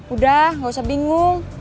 udah gak usah bingung